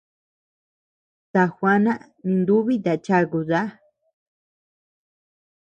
Ta juana ninubita chakuta.